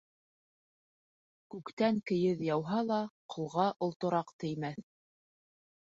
Күктән кейеҙ яуһа ла, ҡолға олтораҡ теймәҫ.